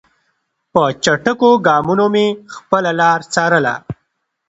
په چټکو ګامونو مې خپله لاره څارله.